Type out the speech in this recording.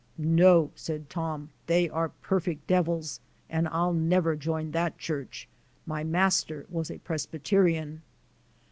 '*No," said Tom, *'they are perfect debbils and I'll never join that church. My master was a Presbyterian."